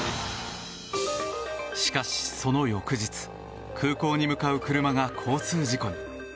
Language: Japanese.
しかし、その翌日空港に向かう車が交通事故に。